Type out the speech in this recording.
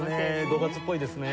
５月っぽいですね。